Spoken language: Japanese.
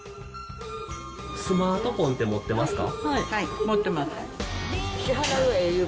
スマートフォンって持ってますか？